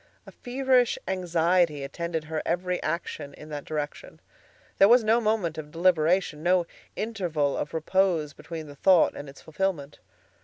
A feverish anxiety attended her every action in that direction. There was no moment of deliberation, no interval of repose between the thought and its fulfillment.